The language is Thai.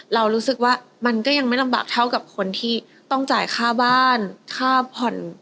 เรารู้สึกว่ามันก็ยังไม่ลำบากเท่ากับคนที่ต้องจ่ายค่าบ้านค่าผ่อน